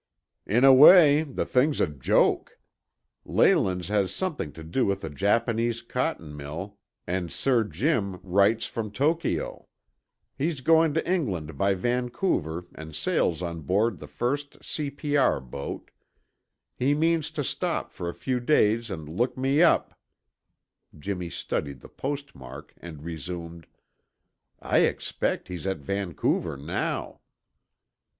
"In a way, the thing's a joke! Leyland's has something to do with a Japanese cotton mill and Sir Jim writes from Tokio. He's going to England by Vancouver and sails on board the first C.P.R. boat. He means to stop for a few days and look me up " Jimmy studied the postmark and resumed: "I expect he's at Vancouver now."